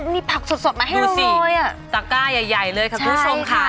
มีผักสดมาให้รวมร้อยอ่ะดูสิซาก้ายายเลยค่ะคุณผู้ชมค่ะ